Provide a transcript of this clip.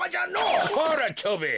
こら蝶兵衛！